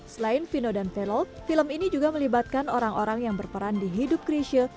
selain vino dan velop film ini juga melibatkan orang orang yang berperan di hidup krisha